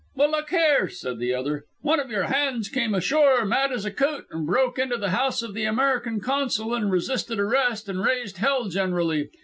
"Well, look here," said the other, "one of your hands came ashore mad as a coot and broke into the house of the American Consul, and resisted arrest and raised hell generally.